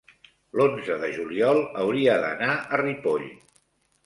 l'onze de juliol hauria d'anar a Ripoll.